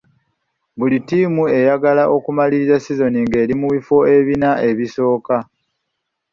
Buli ttiimu eyagala okumaliriza sizoni ng'eri mu bifo ebina ebisooka.